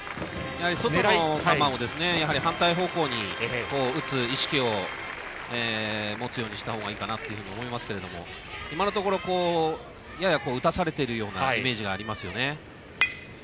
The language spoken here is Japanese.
やはり外の球を反対方向に打つ意識を持つようにしたほうがいいかなと思いますけども今のところやや打たされているイメージがありますよね。